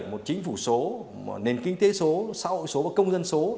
một chính phủ số nền kinh tế số xã hội số và công dân số